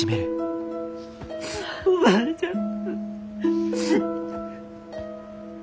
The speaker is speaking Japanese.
おばあちゃん。